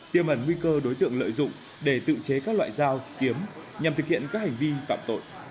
tiêm ẩn nguy cơ đối tượng lợi dụng để tự chế các loại dao kiếm nhằm thực hiện các hành vi phạm tội